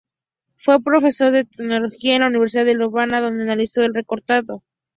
Fue profesor de Teología en la Universidad de Lovaina, donde alcanzó el rectorado.